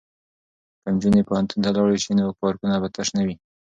که نجونې پوهنتون ته لاړې شي نو پارکونه به تش نه وي.